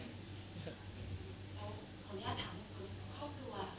ขออนุญาตถามครอบครัว